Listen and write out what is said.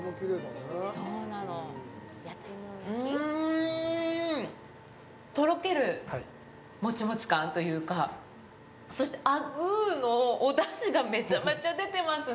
うん、とろけるもちもち感というか、そして、アグーのお出汁がめちゃめちゃ出てますね。